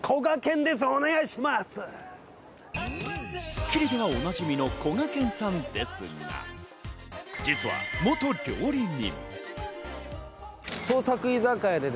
『スッキリ』ではおなじみのこがけんさんですが、実は元料理人。